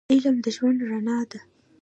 علم د ژوند رڼا ده